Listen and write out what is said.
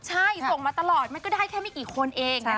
ใช่ส่งมาตลอดมันก็ได้แค่ไม่กี่คนเองนะ